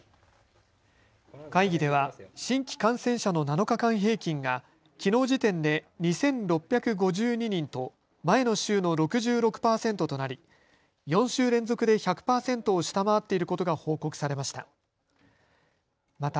会議では新規感染者の７日間平均がきのう時点で２６５２人と前の週の６６％となり、４週連続で１００％を下回っていることが報告されました。